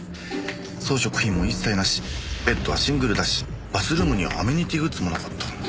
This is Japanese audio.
装飾品も一切なしベッドはシングルだしバスルームにはアメニティーグッズもなかった。